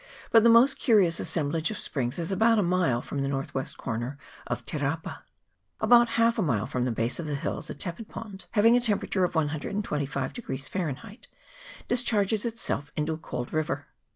but the most curious assemblage of springs is about a mile from the north west corner of Te rapa. About half a mile from the base of the hills a tepid pond, having a temperature of 125 Fahrenheit, discharges itself into a cold river.